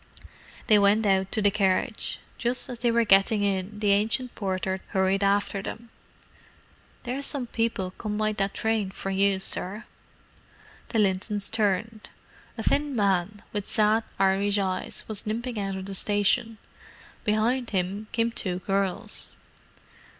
They went out to the carriage. Just as they were getting in, the ancient porter hurried after them. "There's some people come by that train for you, sir." The Lintons turned. A thin man, with sad Irish eyes, was limping out of the station. Behind him came two girls.